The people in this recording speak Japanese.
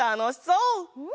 うん！